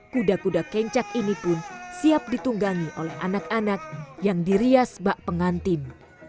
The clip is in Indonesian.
kuda kuda kencak ini pun siap ditunggangi oleh anak anak yang dirias bak pengantin